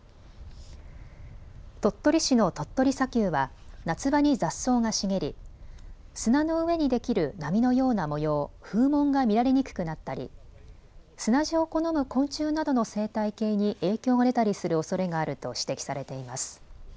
鳥取市の鳥取砂丘は夏場に雑草が茂り砂の上にできる波のような模様、風紋が見られにくくなったり砂地を好む昆虫などの生態系に影響が出たりするおそれがあると指摘されています。